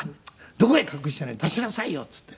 「どこへ隠したのよ？出しなさいよ！」って言って。